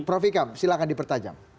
prof ikam silahkan dipertajam